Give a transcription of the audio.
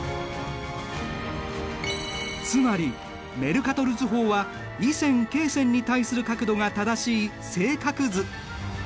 つまりメルカトル図法は緯線・経線に対する角度が正しい正角図。